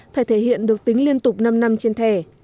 phải thể hiện được tính liên tục năm năm trên thẻ